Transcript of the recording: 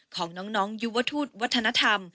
ของน้องยุวทูตวัฒนธรรม